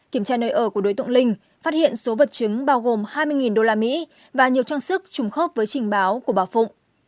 kiểm tra nơi ở của đối tượng linh phát hiện số vật chứng bao gồm hai mươi usd và nhiều trang sức trùng khớp với trình báo của bà phụng